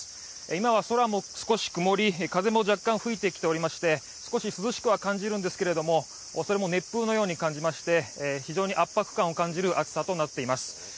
今は空も少し曇り、風も若干吹いてきておりまして、少し涼しくは感じるんですけども、それも熱風のように感じまして、非常に圧迫感を感じる暑さとなっています。